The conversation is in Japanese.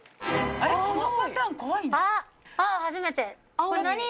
あっ青初めて。